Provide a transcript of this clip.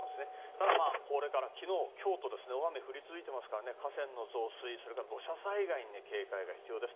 ただ、これから昨日、今日と大雨が降り続いていますから河川の増水、それから土砂災害に警戒が必要です。